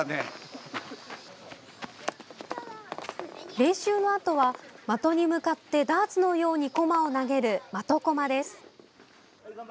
練習のあとは的に向かってダーツのようにこまを投げる的こまです。